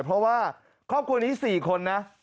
เพราะว่าครอบครัวนี้๔คนนะ